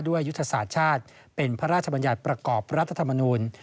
ด้วยยุทธศาสตร์ชาตรเป็นพระราชบรัชบรรยาประกอบรัตถมนูญ